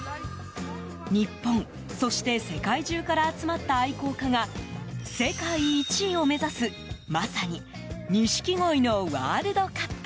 日本、そして世界中から集まった愛好家が世界１位を目指すまさに、錦鯉のワールドカップ。